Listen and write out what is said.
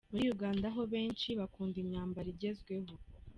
Muri Uganda ho benshi bakunda Imyambaro Igezweho.